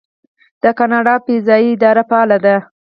د کاناډا فضایی اداره فعاله ده.